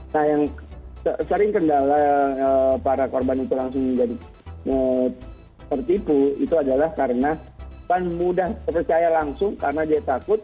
nah yang sering kendala para korban itu langsung menjadi tertipu itu adalah karena kan mudah terpercaya langsung karena dia takut